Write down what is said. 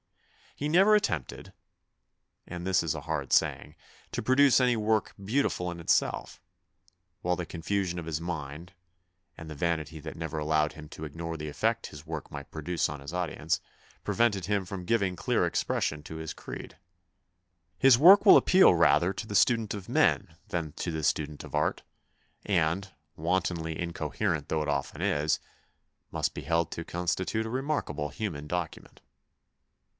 He never attempted and this is a hard saying to produce any work beautiful in itself; while the confusion of his mind, and the vanity that never allowed him to ignore the effect his work might produce on his audience, prevented him from giving clear expression to his creed. His work will 234 THE BIOGRAPHY OF A SUPERMAN appeal rather to the student of men than to the student of art, and, wantonly incoherent though it often is, must be held to constitute a remarkable human document.